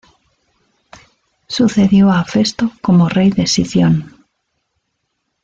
Sucedió a Festo como rey de Sición.